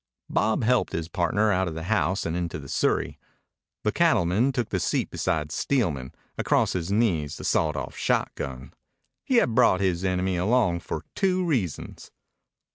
Bob helped his partner out of the house and into the surrey. The cattleman took the seat beside Steelman, across his knees the sawed off shotgun. He had brought his enemy along for two reasons.